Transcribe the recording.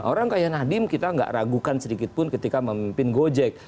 orang kayak nadiem kita nggak ragukan sedikitpun ketika memimpin gojek